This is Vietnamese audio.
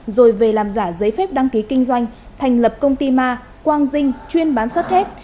rồi về làm giả giấy phép đăng ký kinh doanh thành lập công ty ma quang dinh chuyên bán sắt thép